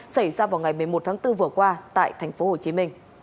xảy ra vào ngày một mươi một tháng bốn vừa qua tại tp hcm